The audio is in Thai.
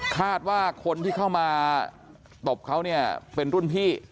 คาดว่าคนที่เข้ามาตบเขาเนี่ยเป็นรุ่นพี่